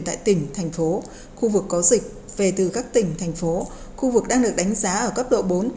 tại tỉnh thành phố khu vực có dịch về từ các tỉnh thành phố khu vực đang được đánh giá ở cấp độ bốn